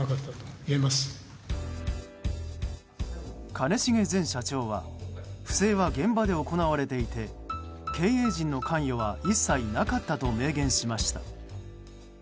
兼重前社長は不正は現場で行われていて経営陣の関与は一切なかったと明言しました。